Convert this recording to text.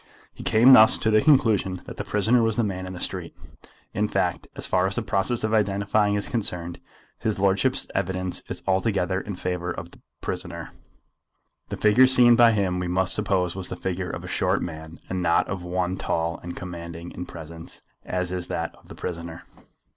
He came thus to the conclusion that the prisoner was the man in the street. In fact, as far as the process of identifying is concerned, his lordship's evidence is altogether in favour of the prisoner. The figure seen by him we must suppose was the figure of a short man, and not of one tall and commanding in his presence, as is that of the prisoner."